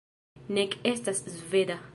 ... nek estas sveda